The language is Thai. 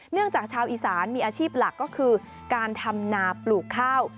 จากชาวอีสานมีอาชีพหลักก็คือการทำนาปลูกข้าว